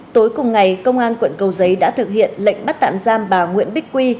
tối cùng ngày công an quận cầu giấy đã thực hiện lệnh bắt tạm giam bà nguyễn bích quy